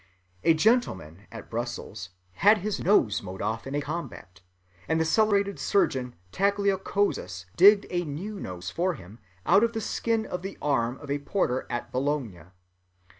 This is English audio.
A gentleman at Brussels had his nose mowed off in a combat, but the celebrated surgeon Tagliacozzus digged a new nose for him out of the skin of the arm of a porter at Bologna.